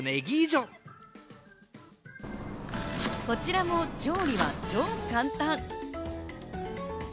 こちらも調理は超簡単。